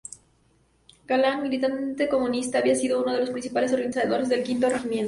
Galán, militante comunista, había sido uno de los principales organizadores del Quinto Regimiento.